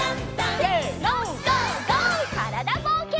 からだぼうけん。